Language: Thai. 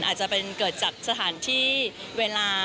อาจจะเป็นเกิดจากสถานที่เวลา